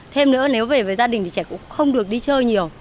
thêm nữa nếu về với gia đình thì trẻ cũng không được đi chơi nhiều